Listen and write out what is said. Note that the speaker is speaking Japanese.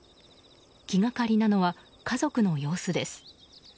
気がかりなのは家族の様子です。